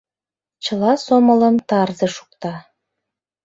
Чыла сомылым тарзе шукта...